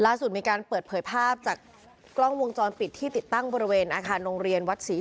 มีการเปิดเผยภาพจากกล้องวงจรปิดที่ติดตั้งบริเวณอาคารโรงเรียนวัดศรี